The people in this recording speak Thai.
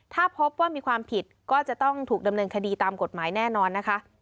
ถ้าพบว่ามีความผิดก็จะต้องถูกดำเนินคดีตามกฎหมายแน่นอนนะคะ